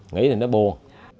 nghĩ thì nó buồn